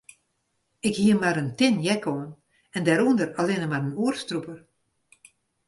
Ik hie mar in tin jack oan en dêrûnder allinnich mar in oerstrûper.